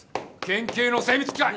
県警の精密機械！